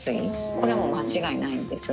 これはもう間違いないんです。